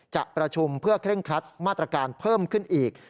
จะประชุมเพื่อเคร่งครัดมาตรการเพิ่มขึ้นอีก